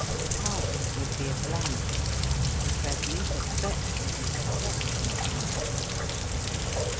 The past would be a blank. The present a fretful and perplexing hour.